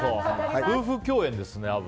夫婦共演ですね、アブ。